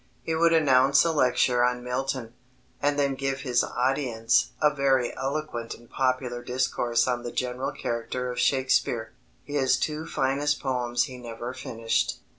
He would announce a lecture on Milton, and then give his audience "a very eloquent and popular discourse on the general character of Shakespeare." His two finest poems he never finished.